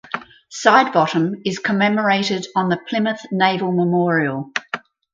Sidebottom is commemorated on the Plymouth Naval Memorial.